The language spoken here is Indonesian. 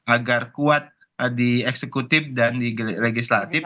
agar kuat di eksekutif dan di legislatif